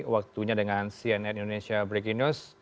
waktunya dengan cnn indonesia breaking news